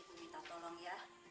ibu minta tolong ya